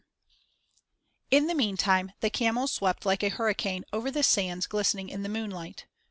VII In the meantime the camels swept like a hurricane over the sands glistening in the moonlight.